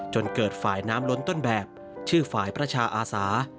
จนเกิดฝ่ายน้ำล้นต้นแบบชื่อฝ่ายประชาอาสา